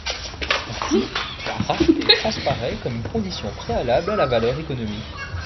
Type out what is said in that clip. Ainsi, la rareté transparait comme une condition préalable à la valeur économique.